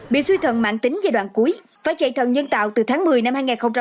bị suy thận mạng tính giai đoạn cuối phải chạy thận nhân tạo từ tháng một mươi năm hai nghìn một mươi